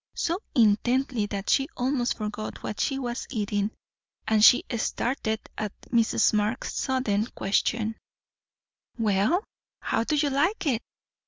So intently that she almost forgot what she was eating, and she started at Mrs. Marx's sudden question "Well, how do you like it?